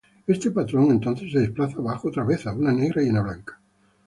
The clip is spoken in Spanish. Este patrón entonces se desplaza abajo otra vez, a una negra y una blanca.